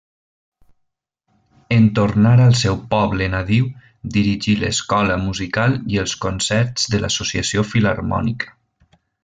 En tornar al seu poble nadiu, dirigí l'escola musical i els concerts de l'Associació Filharmònica.